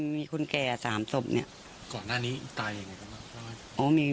มีคนแก่สามศพเนี้ยก่อนหน้านี้ตายอย่างไร